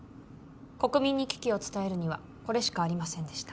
国民に危機を伝えるにはこれしかありませんでした